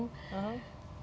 kami membuat ulang lagu itu